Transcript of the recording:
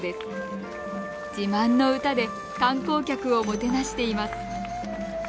自慢の唄で観光客をもてなしています。